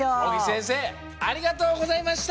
せんせいありがとうございました！